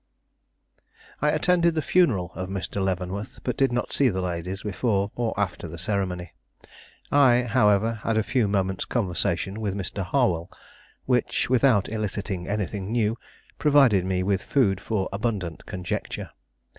I attended the funeral of Mr. Leavenworth, but did not see the ladies before or after the ceremony. I, however, had a few moments' conversation with Mr. Harwell; which, without eliciting anything new, provided me with food for abundant conjecture.